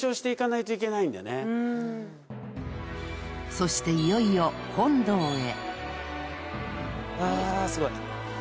［そしていよいよ本堂へ］